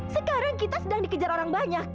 sekarang kita sedang dikejar orang banyak